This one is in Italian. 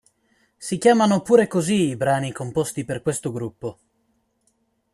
Si chiamano pure così i brani composti per questo gruppo.